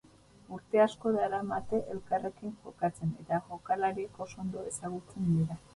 Urte asko daramate elkarrekin jokatzen eta jokalariak oso ondo ezagutzen dira.